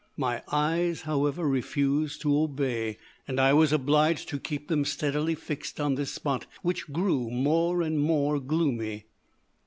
My eyes, however, refused to obey, and I was obliged to keep them steadily fixed on this spot, which grew more and more gloomy.